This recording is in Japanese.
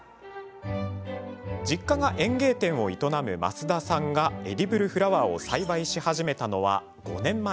実家が園芸店を営む増田さんがエディブルフラワーを栽培し始めたのは５年前。